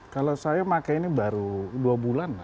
kalau saya pakai ini baru dua bulan lah